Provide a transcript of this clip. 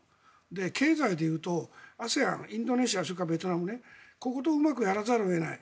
経済でいうとＡＳＥＡＮ、インドネシアそれからベトナムこことうまくやらざるを得ない。